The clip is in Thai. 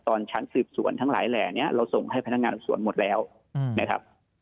ตอนชั้นสืบสวนทั้งหลายแหล่เนี่ยเราส่งให้พนักงานสวนหมดแล้วนะครับ